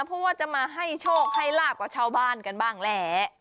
เพราะว่าจะมาให้โชคให้ลาบกับชาวบ้านกันบ้างแหละ